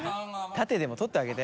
縦でも撮ってあげて。